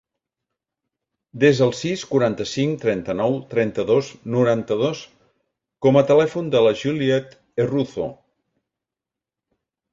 Desa el sis, quaranta-cinc, trenta-nou, trenta-dos, noranta-dos com a telèfon de la Juliet Herruzo.